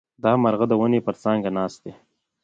دا مرغه د ونې پر څانګه ناست دی.